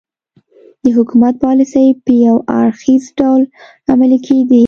د حکومت پالیسۍ په یو اړخیز ډول عملي کېدې.